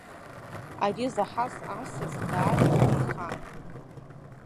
Ари заҳаз асас даара игәы нхан.